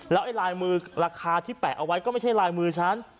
แล้วไอ้ลายมือราคาที่แปะเอาไว้ก็ไม่ใช่ลายมือฉัน